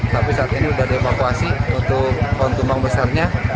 tapi saat ini sudah dievakuasi untuk pohon tumbang besarnya